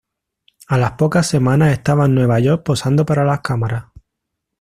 A las pocas semanas estaba en Nueva York posando para las cámaras.